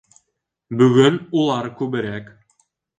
Бөгөн улар күберәк.